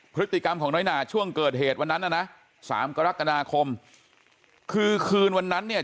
พฤติกรรมของน้อยหนาช่วงเกิดเหตุวันนั้นน่ะนะสามกรกฎาคมคือคืนวันนั้นเนี่ย